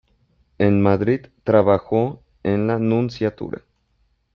En Madrid trabajó en la nunciatura.